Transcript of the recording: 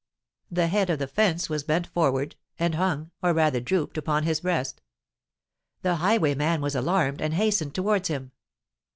The head of the fence was bent forward, and hung—or rather drooped, upon his breast. The highwayman was alarmed, and hastened towards him.